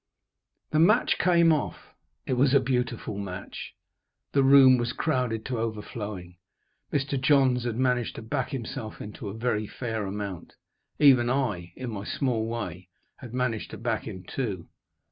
The match came off. It was a beautiful match. The room was crowded to overflowing. Mr. Johns had managed to back himself to a very fair amount. Even I, in my small way, had managed to back him too.